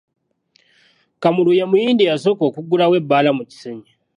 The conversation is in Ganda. Kamulu ye muyindi eyasooka okuggulawo ebbaala mu kisenyi.